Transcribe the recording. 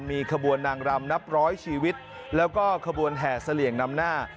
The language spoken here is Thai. มีขบวนนางรำนับร้อยชีวิตแล้วก็ขบวนแห่เสลี่ยงนำหน้า